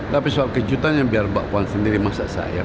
tapi soal kejutannya biar mbak puan sendiri masak saya